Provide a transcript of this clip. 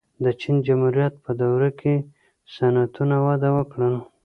د چین جمهوریت په دوره کې صنعتونه وده وکړه.